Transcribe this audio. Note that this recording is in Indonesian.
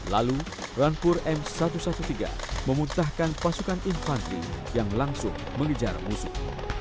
lalu rampur m satu ratus tiga belas memuntahkan pasukan infanteri yang langsung mengejar musuh